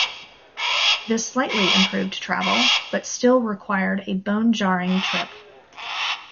This slightly improved travel, but still required a bone jarring trip.